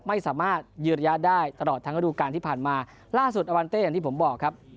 ไม่สามารถยืนระยะได้ตลอดทั้งระดูการที่ผ่านมาล่าสุดอวันเต้อย่างที่ผมบอกครับ